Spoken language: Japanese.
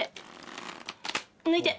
抜いて。